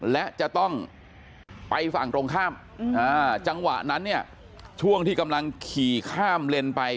และจะต้องไปฝั่งตรงข้ามจังหวะนั้นเนี่ยช่วงที่กำลังขี่ข้ามเลนไป